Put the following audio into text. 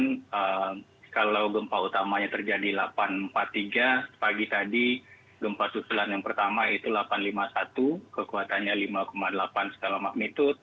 dan kalau gempa utamanya terjadi delapan empat puluh tiga pagi tadi gempa susulan yang pertama itu delapan lima puluh satu kekuatannya lima delapan setelah magnitud